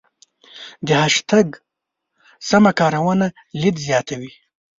د هشتګ سمه کارونه لید زیاتوي.